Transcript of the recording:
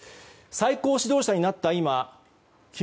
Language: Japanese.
最高指導者になった今金